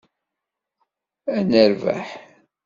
Ad nerbeḥ.